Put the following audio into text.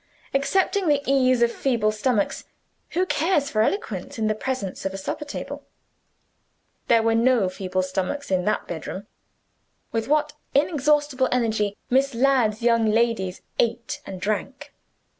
Excepting the ease of feeble stomachs, who cares for eloquence in the presence of a supper table? There were no feeble stomachs in that bedroom. With what inexhaustible energy Miss Ladd's young ladies ate and drank!